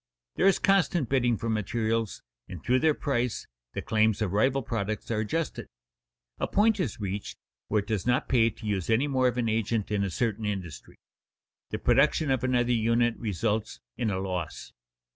There is constant bidding for materials, and through their price the claims of rival products are adjusted. A point is reached where it does not pay to use any more of an agent in a certain industry; the production of another unit results in a loss.